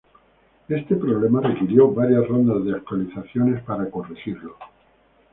Este problema requirió varias rondas de actualizaciones para corregirlo.